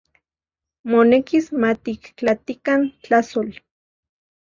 Monekis matiktlatikan tlajsoli.